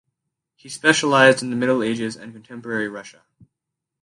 He specialized in the Middle Ages and contemporary Russia.